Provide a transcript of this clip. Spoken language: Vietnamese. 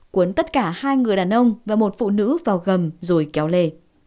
cuốn tất cả hai người đàn ông và một phụ nữ vào gầm rồi kéo lê